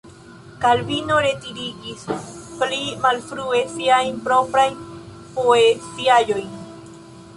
Kalvino retiris pli malfrue siajn proprajn poeziaĵojn.